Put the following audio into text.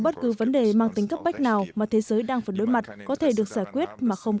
bất cứ vấn đề mang tính cấp bách nào mà thế giới đang phần đối mặt có thể được giải quyết mà không